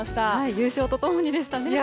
優勝と共にでしたね。